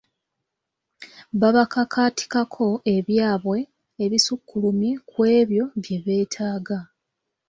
Babakakaatikako ebyabwe ebisukkulumye ku ebyo bye beetaaga.